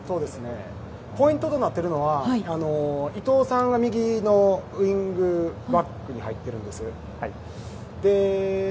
ポイントとなっているのは伊東さんは右のウィングバックに入っています。